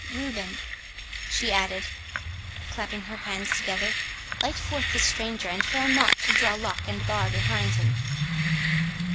—Reuben," she added, clapping her hands together, "light forth this stranger, and fail not to draw lock and bar behind him."